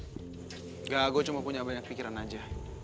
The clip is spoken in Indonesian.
enggak gue cuma punya banyak pikiran aja